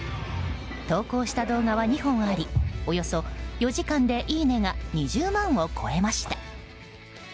投稿した動画は２本ありおよそ４時間でいいねが２０万を超えました。